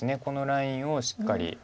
このラインをしっかり。